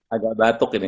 agak batuk ini